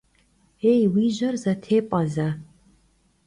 Yêy, vui jer zetêp'e ze!